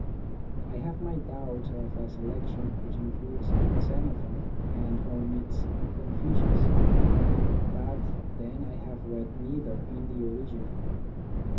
I have my doubts of a selection which includes Xenophon and omits Confucius, but then I have read neither in the original.